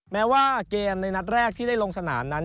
แม้ว่าเกมในนัดแรกที่ได้ลงสนามนั้น